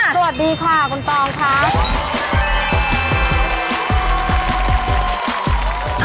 สวัสดีค่ะคุณตองค่ะ